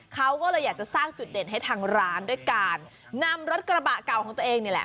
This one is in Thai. เขาก็เลยอยากจะสร้างจุดเด่นให้ทางร้านด้วยการนำรถกระบะเก่าของตัวเองนี่แหละ